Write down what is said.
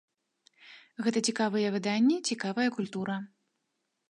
Гэта цікавыя выданні, цікавая культура.